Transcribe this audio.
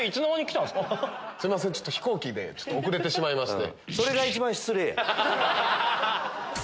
すいません飛行機で遅れてしまいまして。